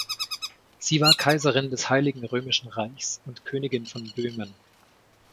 Sie war Kaiserin des Heiligen Römischen Reichs und Königin von Böhmen.